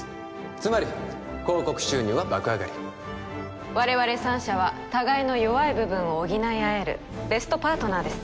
つまり広告収入は爆上がり我々３社は互いの弱い部分を補い合えるベストパートナーです